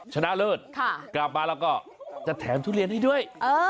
ชนะเลิศกลับมาแล้วก็จะแถมทุเรียนให้ด้วย